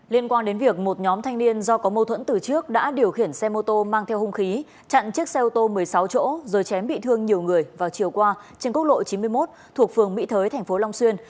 liên quan đến việc một nhóm thanh niên do có mâu thuẫn từ trước đã điều khiển xe mô tô mang theo hung khí chặn chiếc xe ô tô một mươi sáu chỗ rồi chém bị thương nhiều người vào chiều qua trên quốc lộ chín mươi một thuộc phường mỹ thới tp long xuyên